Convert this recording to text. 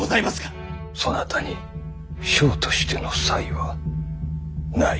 そなたに将としての才はない。